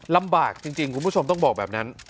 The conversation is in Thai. ลำบากจริงคุณผู้ชมต้องบอกแบบนั้น